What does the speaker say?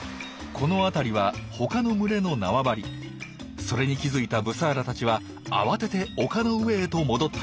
この辺りはそれに気付いたブサーラたちは慌てて丘の上へと戻ったようです。